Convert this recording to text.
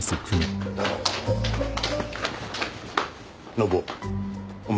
信雄お前